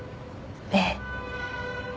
ええ。